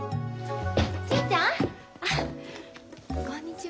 千恵ちゃん？あこんにちは。